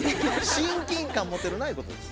親近感持てるなゆうことです。